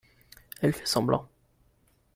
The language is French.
elle fait semblant.